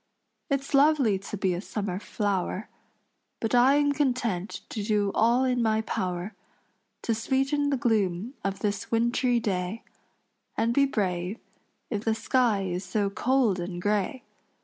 It's lovely to be a summer flower, But I am content to do all in my power To sweeten the gloom of this wintry day, And be brave if the sky is so cold and gray.